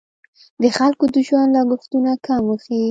د خلکو د ژوند لګښتونه کم وښیي.